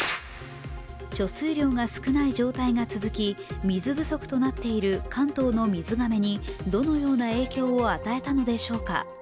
貯水量が少ない状態が続き、水不足となっている関東の水がめにどのような影響を与えたのでしょうか。